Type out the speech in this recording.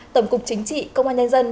tổng cục chính trị công an nhân dân